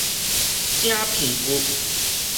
汫皮浡